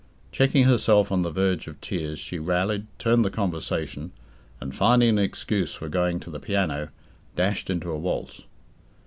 Checking herself on the verge of tears, she rallied, turned the conversation, and finding an excuse for going to the piano, dashed into a waltz.